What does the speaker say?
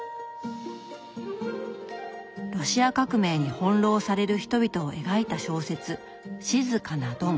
ロシア革命に翻弄される人々を描いた小説「静かなドン」